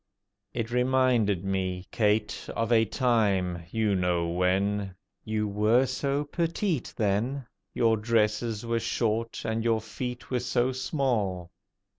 It reminded me, Kate, of a time—you know when! You were so petite then, Your dresses were short, and your feet were so small.